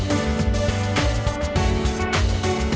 malah aku jenis inglis